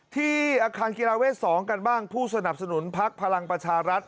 ที่อาคารกีฬาเวท๒กันบ้างผู้สนับสนุนพักพลังประชารัฐ